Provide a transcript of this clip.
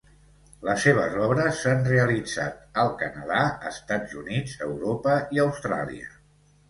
Les seves obres s'han realitzat al Canadà, Estats Units, Europa i Austràlia.